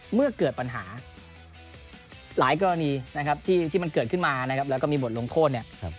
เมื่อเกิดปัญหาหลายกรณีที่มันเกิดขึ้นมาแล้วก็มีบทลงโทษ